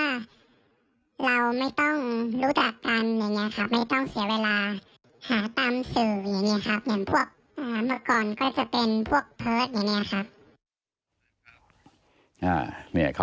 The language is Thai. แล้วก่อนก็จะเป็นพวกเพิร์ตอย่างนี้ครับ